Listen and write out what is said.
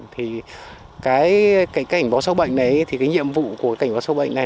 thì cái cảnh báo sâu bệnh đấy thì cái nhiệm vụ của cảnh báo sâu bệnh này